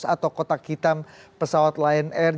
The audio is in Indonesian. atau kotak hitam pesawat lion air